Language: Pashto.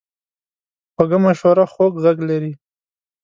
خوږه مشوره خوږ غږ لري.